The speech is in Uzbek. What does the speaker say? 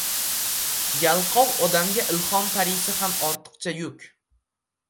— Yalqov odamga ilhom parisi ham ortiqcha yuk.